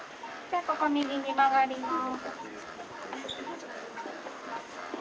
じゃここ右に曲がります。